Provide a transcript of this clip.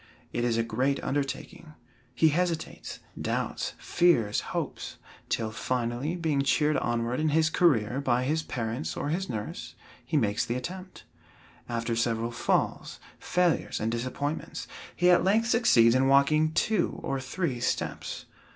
It is a great undertaking. He hesitates, doubts, fears, hopes, till finally, being cheered onward in his career by his parents or his nurse, he makes the attempt. After several falls, failures, and disappointments, he at length succeeds in walking two or three steps.